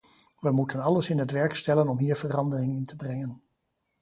We moeten alles in het werk stellen om hier verandering in te brengen.